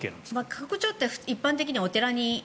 過去帳って一般的にはお寺に。